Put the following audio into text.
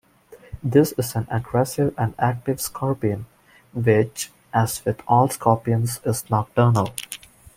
This is an aggressive and active scorpion, which, as with all scorpions, is nocturnal.